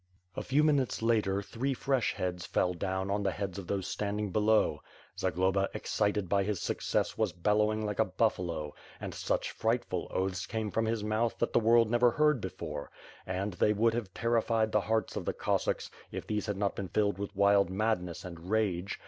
A few minutes later, three fresh heads fell down on the heads of those standing below. Zagloba excited by his suc cess was bellowing like a buffalo, and such frightful oaths came from his mouth that the world never heard before; and they would have terrified the hearts of the Cossacks, if these had not been filled with wild madness and rage.